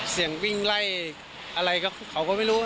เสียงวิ่งไล่อะไรเขาก็ไม่รู้